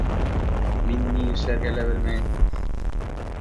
Мин ни эшләргә лә белмәнем.